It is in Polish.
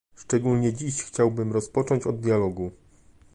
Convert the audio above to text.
Szczególnie dziś chciałabym rozpocząć od dialogu